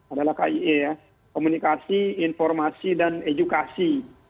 adalah kie ya komunikasi informasi dan edukasi